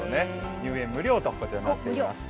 入園無料となっています。